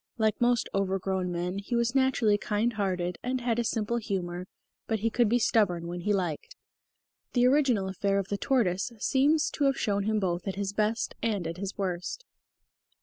Like most over grown men he was naturally kind hearted and had a simple humour, but he could be stubborn when he liked. The original affair of the tortoise seems to have shown him both at his best and at his worst.